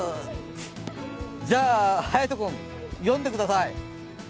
じゃ、はやと君、読んでください。